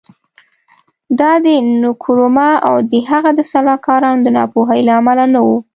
دا د نکرومه او د هغه د سلاکارانو د ناپوهۍ له امله نه و.